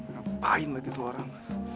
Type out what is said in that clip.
ngapain lagi dua orang